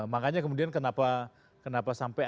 makanya kemudian kenapa sampai